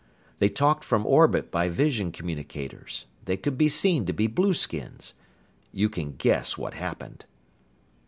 They talked from orbit by vision communicators. They could be seen to be blueskins. You can guess what happened!"